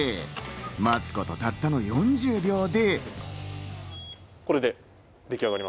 待つことたったの４０秒で。